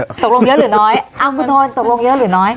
ตกลงเยอะหรือน้อยอ้าวคุณทอนตกลงเยอะหรือน้อย